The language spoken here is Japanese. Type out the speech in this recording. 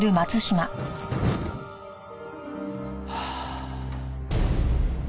はあ。